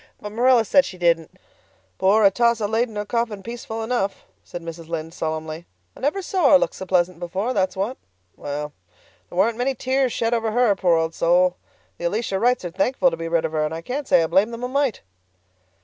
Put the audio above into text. But Marilla said she didn't." "Poor Atossa laid in her coffin peaceful enough," said Mrs. Lynde solemnly. "I never saw her look so pleasant before, that's what. Well, there weren't many tears shed over her, poor old soul. The Elisha Wrights are thankful to be rid of her, and I can't say I blame them a mite."